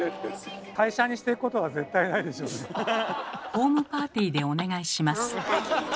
ホームパーティーでお願いします。